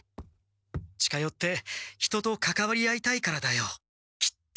近よって人とかかわり合いたいからだよきっと。